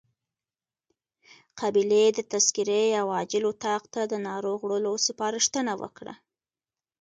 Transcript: قابلې د تذکرې او عاجل اتاق ته د ناروغ وړلو سپارښتنه وکړه.